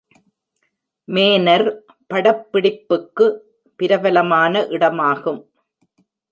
Manor படப்பிடிப்புக்கு பிரபலமான இடமாகும்.